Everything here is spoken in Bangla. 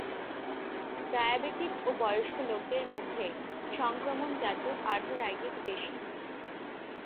ডায়াবেটিক ও বয়স্ক লোকদের মধ্যে সংক্রমণজাত আর্থ্রাইটিস বেশী।